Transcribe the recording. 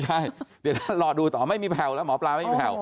ใช่เดี๋ยวถ้ารอดูต่อไม่มีแผ่วแล้วหมอปลาไม่มีแผ่ว